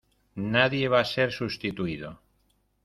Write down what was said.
Nadie va a ser sustituido.